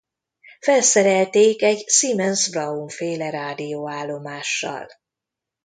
Felszerelték egy Siemens–Braun-féle rádióállomással.